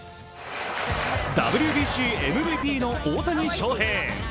ＷＢＣ、ＭＶＰの大谷翔平。